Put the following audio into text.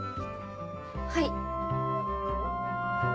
はい。